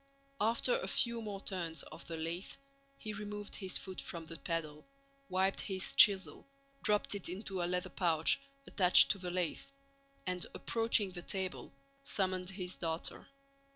After a few more turns of the lathe he removed his foot from the pedal, wiped his chisel, dropped it into a leather pouch attached to the lathe, and, approaching the table, summoned his daughter.